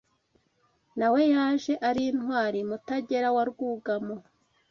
Na we yaje ari intwari Mutagera wa Rwugamo